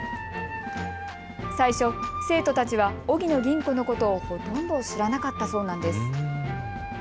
最初、生徒たちは荻野吟子のことをほとんど知らなかったそうなんです。